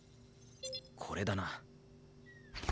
これだな。